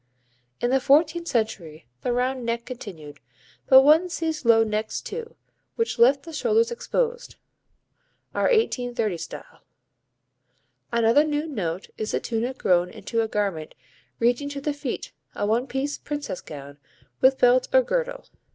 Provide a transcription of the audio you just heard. In the fourteenth century the round neck continued, but one sees low necks too, which left the shoulders exposed (our 1830 style). Another new note is the tunic grown into a garment reaching to the feet, a one piece "princess" gown, with belt or girdle.